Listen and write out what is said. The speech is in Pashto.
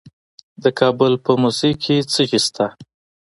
د کابل په موسهي کې څه شی شته؟